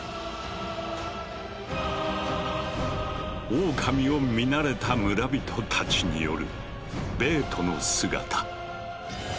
オオカミを見慣れた村人たちによるベートの姿。